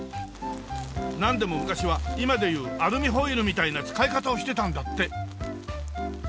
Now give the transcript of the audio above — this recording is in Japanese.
なんでも昔は今でいうアルミホイルみたいな使い方をしてたんだって！